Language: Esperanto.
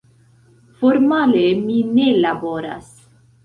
Formale mi ne laboras.